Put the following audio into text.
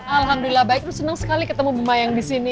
alhamdulillah baik seneng sekali ketemu bu mayang disini